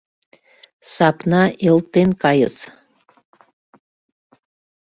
Сапна элтен кайыс...